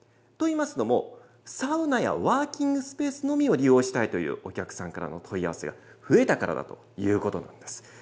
といいますのも、サウナやワーキングスペースのみを利用したいというお客さんからの問い合わせが増えたからだということなんです。